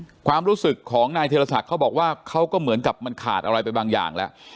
ความรู้สึกของนายธิรศักดิ์เขาบอกว่าเขาก็เหมือนกับมันขาดอะไรไปบางอย่างแล้ว